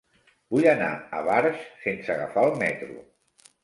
Vull anar a Barx sense agafar el metro.